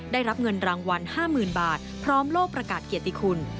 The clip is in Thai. ได้รับเงินรางวัล๕๐๐๐บาทพร้อมโลกประกาศเกียรติคุณ